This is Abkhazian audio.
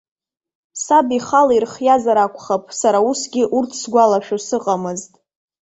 Саб ихала ирхиазар акәхап, сара усгьы урҭ сгәалашәо сыҟамызт.